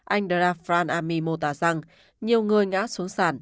anh deja fran army mô tả rằng nhiều người ngã xuống sản